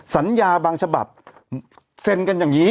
สัญญาบางฉบับเซ็นกันอย่างนี้